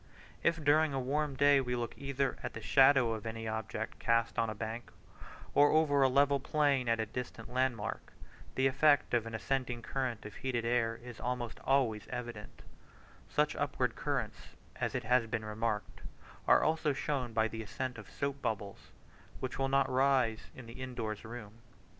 If during a warm day we look either at the shadow of any object cast on a bank, or over a level plain at a distant landmark, the effect of an ascending current of heated air is almost always evident: such upward currents, it has been remarked, are also shown by the ascent of soap bubbles, which will not rise in an in doors room.